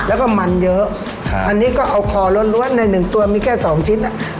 แล้วก็มันเยอะอันนี้ก็เอาคอล้วนล้วนในหนึ่งตัวมีแค่สองชิ้นอ่ะ